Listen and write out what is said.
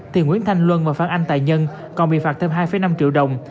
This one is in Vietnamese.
thì nguyễn thanh luân và phan anh tài nhân còn bị phạt thêm hai năm triệu đồng